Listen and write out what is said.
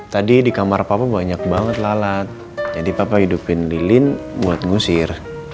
tadi di kamar papa banyak banget lalat jadi papa hidupin lilin buat ngusir